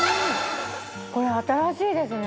これ新しいですね。